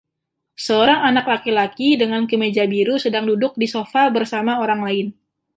Seorang anak laki-laki dengan kemeja biru sedang duduk di sofa bersama orang lain.